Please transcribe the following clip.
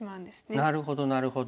なるほどなるほど。